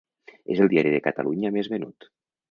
És el diari de Catalunya més venut.